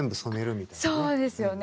そうですよね。